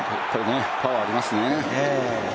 パワーありますね。